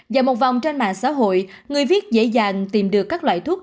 dại một vòng trên mạng xã hội người viết dễ dàng tìm được các loại thuốc